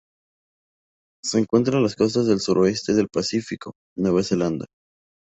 Se encuentra en las costas del suroeste del Pacífico: Nueva Zelanda.